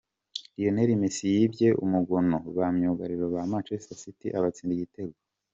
Lionel Messi yibye umugono ba myugariro ba Manchester City abatsinda igitego.